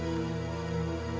ya udah yuk